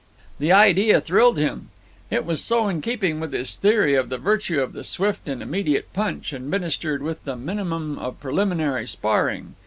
The idea thrilled him. It was so in keeping with his theory of the virtue of the swift and immediate punch, administered with the minimum of preliminary sparring.